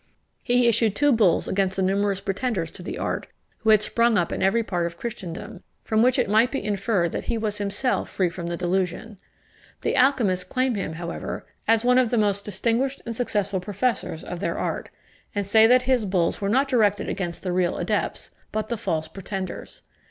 He issued two bulls against the numerous pretenders to the art, who had sprung up in every part of Christendom; from which it might be inferred that he was himself free from the delusion. The alchymists claim him, however, as one of the most distinguished and successful professors of their art, and say that his bulls were not directed against the real adepts, but the false pretenders.